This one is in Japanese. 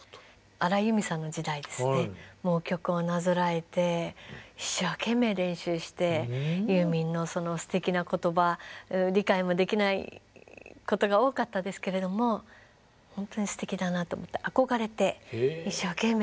荒井由実さんの時代ですねもう曲をなぞらえて一生懸命練習してユーミンのそのすてきな言葉理解もできないことが多かったですけれどもほんとにすてきだなと思って憧れて一生懸命自分で歌ってました。